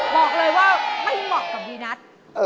บอกเลยว่าไม่เหมาะกับวีนัท